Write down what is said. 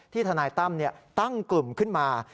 ทนายตั้มตั้งกลุ่มขึ้นมา